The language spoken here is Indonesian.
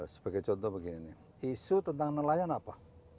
sebagai contoh begini nih isu tentang nelayan apa